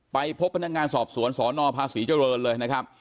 ไปพบพนักงานสอบสวนสนภาษีเจริญเลยนะครับ